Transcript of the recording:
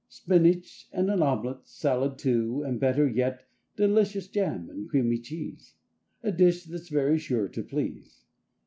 Spinach and an omelette, Salad, too, and better yet Delicious jam with creamy cheese— A dish that's very sure to please!